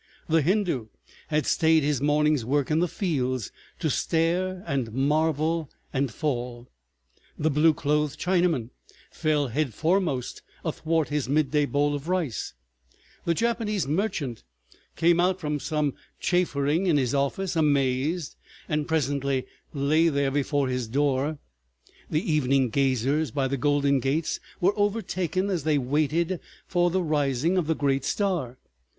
The Hindoo had stayed his morning's work in the fields to stare and marvel and fall, the blue clothed Chinaman fell head foremost athwart his midday bowl of rice, the Japanese merchant came out from some chaffering in his office amazed and presently lay there before his door, the evening gazers by the Golden Gates were overtaken as they waited for the rising of the great star.